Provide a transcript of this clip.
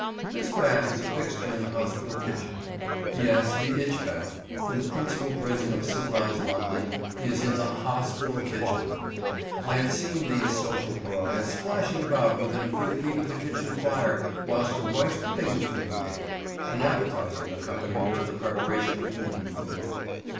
This bath is a fixture in the hospital kitchen. YES, the itch bath in the principal prison of civilized London is in the hospital kitchen! I have seen these social pariahs splashing about within a few feet of the kitchen fire, whilst a rice pudding was being made—an appetizing accompaniment to the preparation of human food.